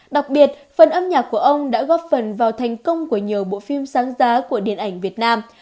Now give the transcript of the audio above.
đặc biệt phần âm nhạc của ông đã góp phần vào thành công của nhiều bộ phim sáng giá của điện ảnh việt nam